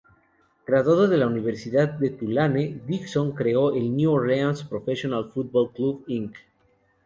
Graduado de la Universidad Tulane, Dixon creó el "New Orleans Professional Football Club, Inc.